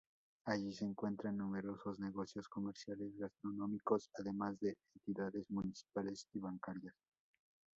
Allí se encuentran numerosos negocios comerciales, gastronómicos, además de entidades municipales y bancarias.